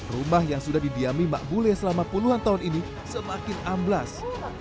rumah yang sudah didiami mak bule selama puluhan tahun ini semakin amblas